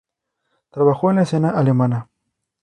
Trabajó en la escena alemana.